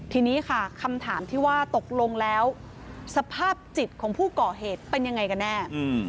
ทีนี้ค่ะคำถามที่ว่าตกลงแล้วสภาพจิตของผู้ก่อเหตุเป็นยังไงกันแน่